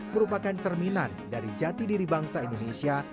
merupakan cerminan dari jati diri bangsa indonesia